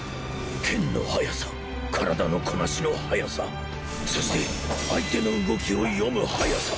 剣の速さ体のこなしの速さそして相手の動きを読む速さ